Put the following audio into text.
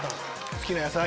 好きな野菜！